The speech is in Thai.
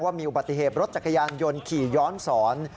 มีอุบัติเหตุรถจักรยานยนต์ขี่ย้อนสอน